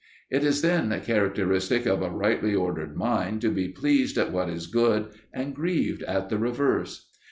It is then characteristic of a rightly ordered mind to be pleased at what is good and grieved at the reverse.